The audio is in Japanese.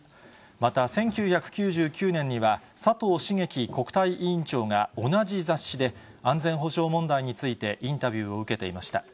また１９９９年には、佐藤茂樹国対委員長が同じ雑誌で、安全保障問題について、インタビューを受けていました。